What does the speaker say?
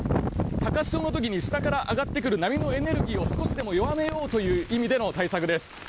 高潮の時に下から上がってくる波のエネルギーを少しでも弱めようという対策です。